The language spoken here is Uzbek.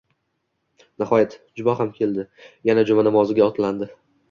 Nihoyat, juma ham keldi, yana juma namoziga otlandi